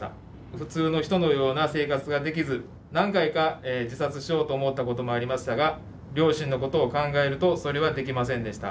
普通の人のような生活ができず何回か自殺しようと思ったこともありましたが両親のことを考えるとそれはできませんでした。